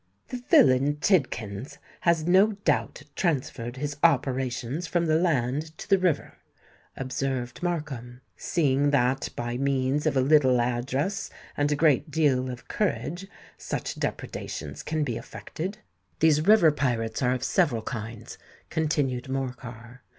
"The villain Tidkins has no doubt transferred his operations from the land to the river," observed Markham; "seeing that, by means of a little address and a great deal of courage, such depredations can be effected." "These river pirates are of several kinds," continued Morcar.